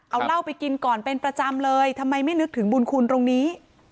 เอาเหล้าไปกินก่อนเป็นประจำเลยทำไมไม่นึกถึงบุญคุณตรงนี้